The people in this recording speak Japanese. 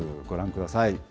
ご覧ください。